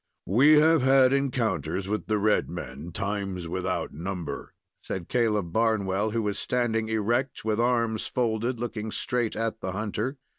"We have had encounters with the red men times without number," said Caleb Barnwell, who was standing erect, with arms folded, looking straight at the hunter.